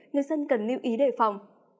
người dân cần lưu ý đề phòng